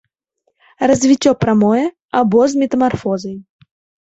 Развіццё прамое або з метамарфозай.